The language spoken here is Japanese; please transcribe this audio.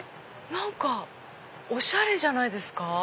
何かおしゃれじゃないですか？